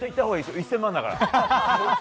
１０００万だから。